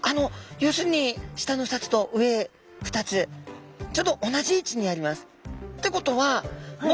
要するに下の２つと上２つちょうど同じ位置にあります。